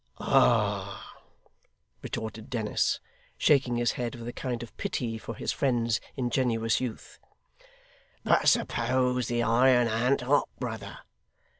'Ah!' retorted Dennis, shaking his head, with a kind of pity for his friend's ingenuous youth; 'but suppose the iron an't hot, brother!